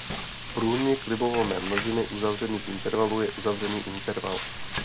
Průnik libovolné množiny uzavřených intervalů je uzavřený interval.